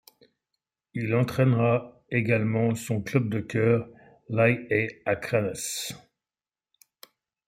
Il entraînera également son club de cœur, l'ÍA Akranes.